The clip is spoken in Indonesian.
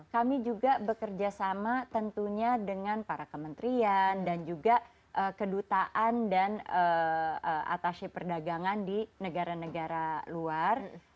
kami juga bekerja sama tentunya dengan para kementerian dan juga kedutaan dan atasi perdagangan di negara negara luar